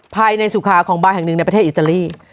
ในสุขาของบาร์แห่งหนึ่งในประเทศอิตาลี